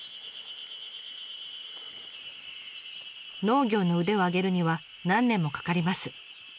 農業の腕を上げるには何年もかかります。